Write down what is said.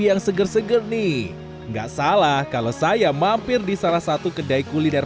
yang seger seger nih enggak salah kalau saya mampir di salah satu kedai kuliner